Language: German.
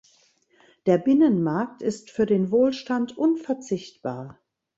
Der Binnenmarkt ist für den Wohlstand unverzichtbar.